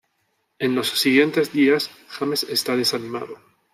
En los siguientes días, James está desanimado.